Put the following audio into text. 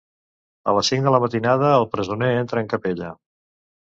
A les cinc de la matinada, el presoner entra en capella.